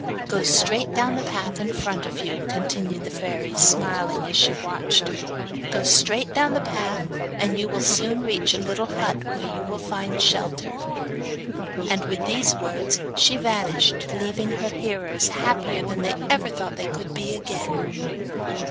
'Go straight down the path in front of you,' continued the fairy, smiling as she watched her; 'go straight down the path and you will soon reach a little hut where you will find shelter.' And with these words she vanished, leaving her hearers happier than they ever thought they could be again.